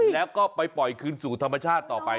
แล้วก็ไปปล่อยคืนสู่ธรรมชาติต่อไป